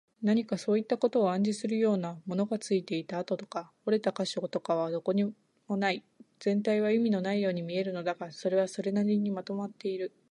何かそういったことを暗示するような、ものがついていた跡とか、折れた個所とかはどこにもない。全体は意味のないように見えるのだが、それはそれなりにまとまっている。